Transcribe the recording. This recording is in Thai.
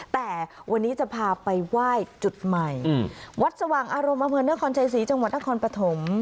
แต่วันนี้จะพาไปไหว้จุดใหม่วัดสว่างอารมณ์อำเภอนครชัยศรีจังหวัดนครปฐม